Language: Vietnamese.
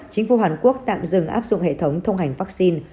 chính phủ hàn quốc tạm dừng áp dụng hệ thống thông hành vaccine